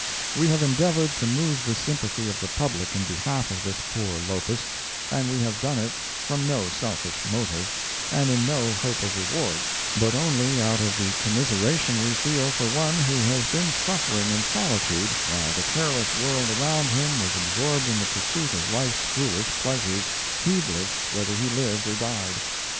We have endeavored to move the sympathy of the public in behalf of this poor Lopus, and we have done it from no selfish motive, and in no hope of reward, but only out of the commiseration we feel for one who has been suffering in solitude while the careless world around him was absorbed in the pursuit of life's foolish pleasures, heedless whether he lived or died.